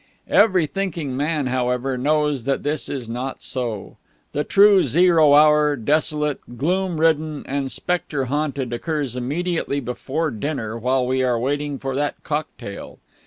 Every thinking man, however, knows that this is not so. The true zero hour, desolate, gloom ridden, and spectre haunted, occurs immediately before dinner while we are waiting for that cocktail.